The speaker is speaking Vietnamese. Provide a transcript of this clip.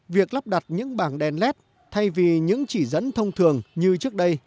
việc lắp đặt những bảng đèn led thay vì những chỉ dẫn thông thường như trước đây